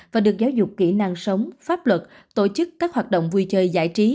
và được giáo dục kỹ năng sống pháp luật tổ chức các hoạt động vui chơi giải trí